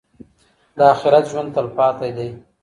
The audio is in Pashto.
د آخرت ژوند تلپاتې دی.